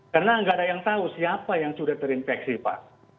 karena nggak ada yang tahu siapa yang sudah terinfeksi pak